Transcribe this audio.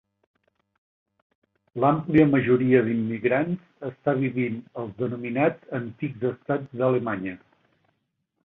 L'àmplia majoria d'immigrants està vivint als denominats antics estats d'Alemanya.